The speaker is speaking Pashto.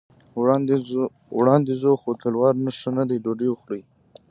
وړاندې ځو، خو تلوار ښه نه دی، ډوډۍ خورئ.